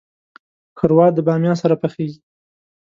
ښوروا د بامیا سره پخیږي.